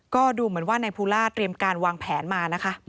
ก็ดูเหมือนว่านายภูล่าเตรียมการวางแผนมานะคะ